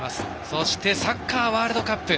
そしてサッカーワールドカップ。